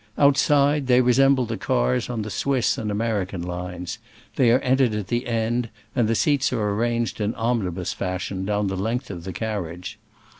Outside, they resemble the cars on the Swiss and American lines : they are entered at the end, and the seats are arranged omnibus fashion, down the length of the carriage.